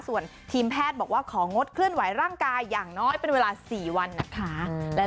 ส่วนทีมแพทย์บอกว่าของงดเคลื่อนไหวร่างกายอย่างน้อยเป็นเวลา๔วันนะคะ